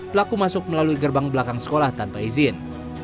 pelaku masuk melalui gerbang belakang sekolah tanpa izin